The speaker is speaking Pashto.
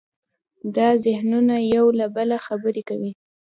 دا ذهنونه یو له بله خبرې کوي.